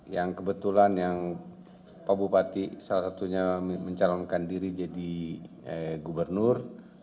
yang kebetulan yang pak bupati salah satunya mencalonkan diri jadi gubernur